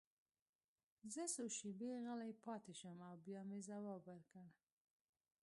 زه څو شېبې غلی پاتې شوم او بیا مې ځواب ورکړ